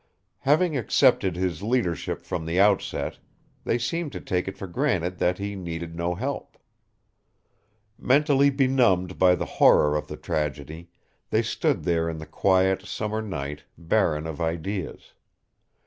Having accepted his leadership from the outset, they seemed to take it for granted that he needed no help. Mentally benumbed by the horror of the tragedy, they stood there in the quiet, summer night, barren of ideas.